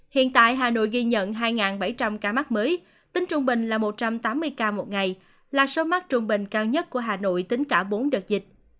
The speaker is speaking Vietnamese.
hiện tại hà nội ghi nhận hai bảy trăm linh ca mắc mới tính trung bình là một trăm tám mươi ca một ngày là số mắc trung bình cao nhất của hà nội tính cả bốn đợt dịch